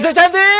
ini rumahnya apaan